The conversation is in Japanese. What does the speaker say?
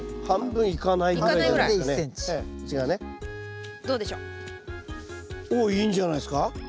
半分いかないぐらいじゃないですかね。